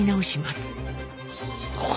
すごい。